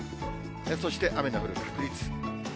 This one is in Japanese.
そして、雨の降る確率。